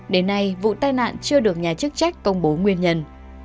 đến nay vụ tai nạn chưa được nhà chức trách công bố nguyên nhân